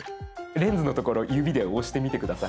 レンズのところ指で押してみて下さい。